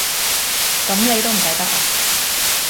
咁你都唔抵得呀？